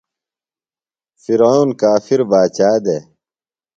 فِرعون کافر باچا دےۡ۔